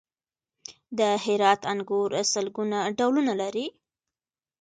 د هرات انګور سلګونه ډولونه لري.